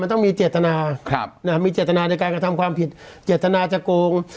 มันต้องมีเจตนามีเจตนาในการกระทำความผิดเจตนาจะโกง